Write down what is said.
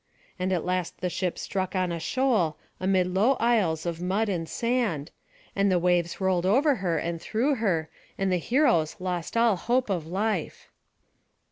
And at last the ship struck on a shoal, amid low isles of mud and sand, and the waves rolled over her and through her, and the heroes lost all hope of life.